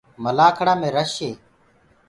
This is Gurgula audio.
مَلآکڙآ مينٚ رش هي۔